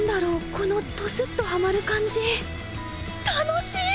このトスッとハマる感じ楽しい！